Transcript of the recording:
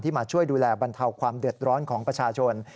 มาช่วยดูแลบรรเทาความเดือดร้อนของประชาชน